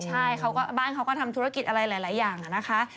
ใช่บ้านเขาก็ทำธุรกิจอะไรหลายอย่างนะคะ